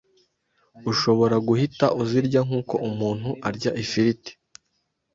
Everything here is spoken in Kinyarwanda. ushobora guhita uzirya nk’uko umuntu arya ifiriti